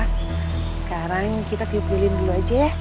siva sekarang kita diupilin dulu aja ya